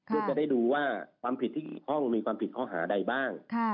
เพื่อจะได้ดูว่าความผิดที่กี่ห้องมีความผิดข้อหาใดบ้าง